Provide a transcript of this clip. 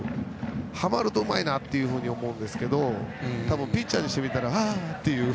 はまるとうまいなと思うんですけどピッチャーとしたらああという。